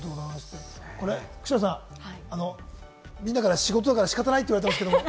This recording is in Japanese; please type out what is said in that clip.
久代さん、みんなから、仕事だから仕方ないって言われてますけど。